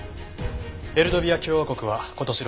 エルドビア共和国は今年